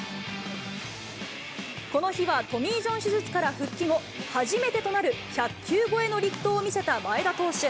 この日はトミー・ジョン手術から復帰後、初めてとなる１００球超えの力投を見せた前田投手。